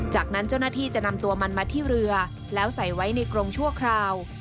จากนั้นเจ้าหน้าที่จะนำตัวมันมาที่เรือแล้วใส่ไว้ในกรงชั่วคราว